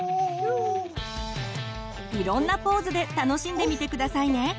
いろんなポーズで楽しんでみて下さいね。